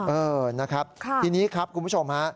เออนะครับทีนี้ครับคุณผู้ชมฮะ